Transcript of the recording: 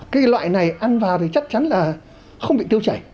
cái loại này ăn vào thì chắc chắn là không bị tiêu chảy